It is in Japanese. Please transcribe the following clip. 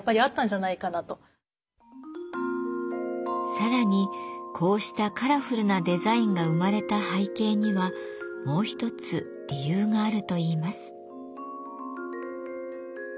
さらにこうしたカラフルなデザインが生まれた背景にはもうひとつ理由があるといいます。